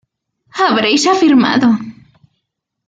habréis afirmado